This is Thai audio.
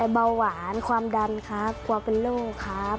เบาหวานความดันครับกลัวเป็นโรคครับ